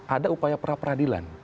ada upaya pra peradilan